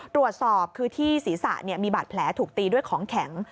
ตรวจสอบคือที่ศีรษะมีบาดแผลถูกตีด้วยของแข็ง